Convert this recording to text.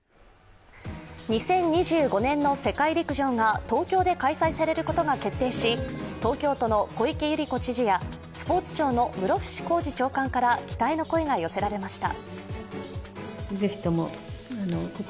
２０２５年の世界陸上が東京で開催されることが決定し東京都の小池百合子知事やスポーツ庁の室伏広治長官から期待の声が寄せられました。